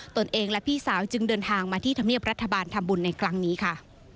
ตัวเองและพี่สาวจึงเดินทางมาที่ธรรมเนียบรัฐบาลทำบุญในครั้งนี้ค่ะ